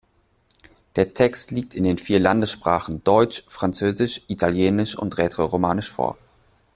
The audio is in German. Der Text liegt in den vier Landessprachen Deutsch, Französisch, Italienisch und Rätoromanisch vor.